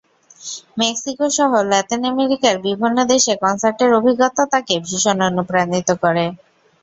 মেক্সিকোসহ Latin আমেরিকার বিভিন্ন দেশে কনসার্টের অভিজ্ঞতা তাঁকে ভীষণ অনুপ্রাণিত করে।